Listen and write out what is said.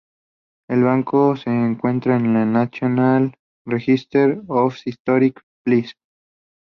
El Banco se encuentra en el National Register of Historic Places.